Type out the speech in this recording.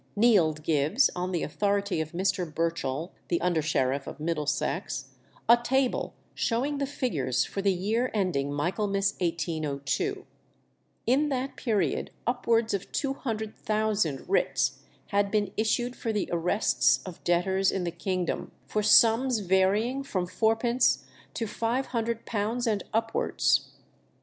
Neild gives, on the authority of Mr. Burchell, the under sheriff of Middlesex, a table showing the figures for the year ending Michaelmas 1802. In that period upwards of 200,000 writs had been issued for the arrests of debtors in the kingdom, for sums varying from fourpence to £500 and upwards.